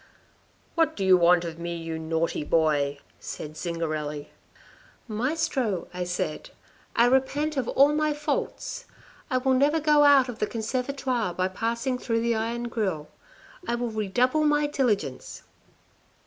"' What do you want of me, you naughty boy ?' said Zingarelli. "' Maestro,' I said, ' I repent of all my faults. I will never go out of the Conservatoire by passing through the iron grill. I will redouble my diligence.'